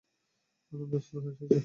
আনন্দে অশ্রু এসেছে।